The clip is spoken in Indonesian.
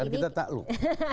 dan kita takluk